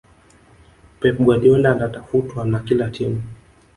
pep guardiola anatafutwa na kila timu